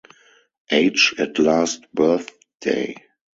Age at last birthday.